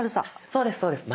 そうですそうです。